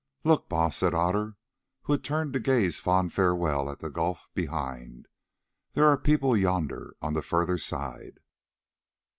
"Look, Baas," said Otter, who had turned to gaze a fond farewell at the gulf behind; "there are people yonder on the further side."